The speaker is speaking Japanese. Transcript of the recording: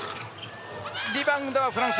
リバウンドはフランス。